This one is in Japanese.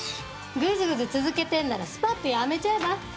ぐずぐず続けてるならスパッと辞めちゃえば？